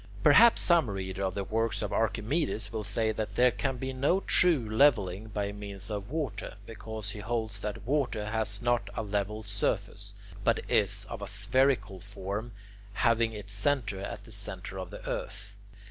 Perhaps some reader of the works of Archimedes will say that there can be no true levelling by means of water, because he holds that water has not a level surface, but is of a spherical form, having its centre at the centre of the earth.